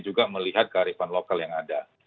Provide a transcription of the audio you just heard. juga melihat kearifan lokal yang ada